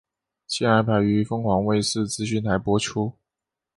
现安排于凤凰卫视资讯台播出。